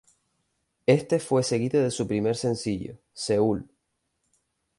Éste fue seguido de su primer sencillo, "Seúl".